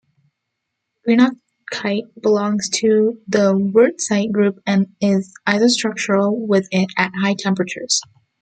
Greenockite belongs to the wurtzite group and is isostructural with it at high temperatures.